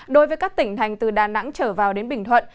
đối với các tỉnh thành từ đà nẵng trở vào đến bình thuận